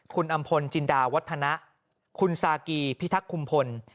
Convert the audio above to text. คุณอำพลจินดาวัฒนะคุณซากีพิทักษุมพล